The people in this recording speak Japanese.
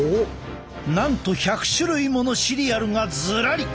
なんと１００種類ものシリアルがずらり！